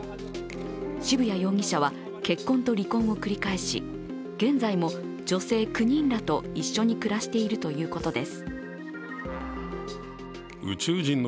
渋谷容疑者は結婚と離婚を繰り返し、現在も女性９人らと一緒に暮らしているということです。